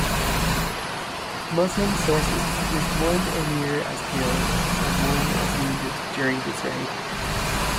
Muslim sources list one emir as killed and one as wounded during this raid.